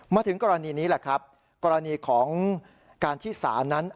มาถึงกรณีนี้แหละครับกรณีของการที่ศาลนั้น